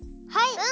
はい！